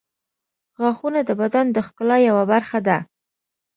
• غاښونه د بدن د ښکلا یوه برخه ده.